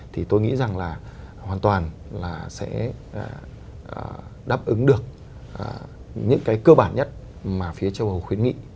thì tôi nghĩ rằng là hoàn toàn là sẽ đáp ứng được những cái cơ bản nhất mà phía châu âu khuyến nghị